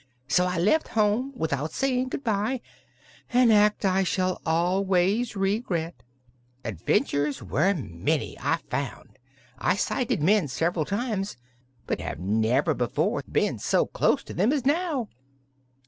So I left home without saying good bye, an act I shall always regret. Adventures were many, I found. I sighted men several times, but have never before been so close to them as now.